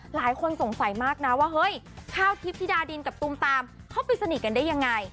หลายคนสงสัยมากนะว่าเฮ้ยข้าวทิพย์ธิดาดินกับตูมตามเขาไปสนิทกันได้ยังไง